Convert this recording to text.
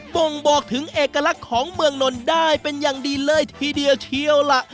บ่งบอกถึงเอกลักษณ์ของเมืองนนท์ได้เป็นอย่างดีเลยทีเดียวเชียวล่ะ